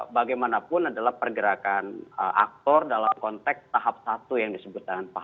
bagaimanapun adalah pergerakan aktor dalam konteks tahap satu yang disebutkan